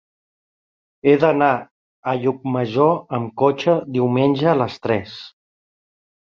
He d'anar a Llucmajor amb cotxe diumenge a les tres.